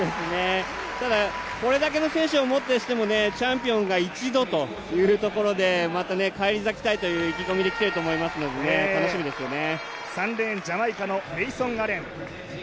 ただ、これだけの選手をもってしても、チャンピオンが一度というところで、また返り咲きたいという意気込みで来てると思いますから楽しみですね。